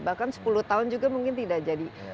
bahkan sepuluh tahun juga mungkin tidak jadi